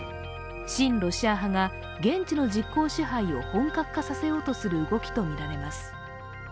親ロシア派が現地の実効支配を本格化させようとする動きとみられます。